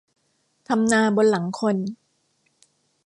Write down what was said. ทำนาบนหลังคน